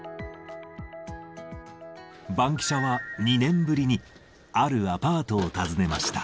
バンキシャは、２年ぶりにあるアパートを訪ねました。